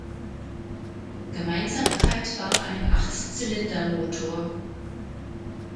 Gemeinsamkeit war ein Achtzylindermotor.